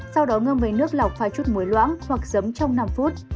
sau đó ngâm với nước lọc phai chút muối loãng hoặc giấm trong năm phút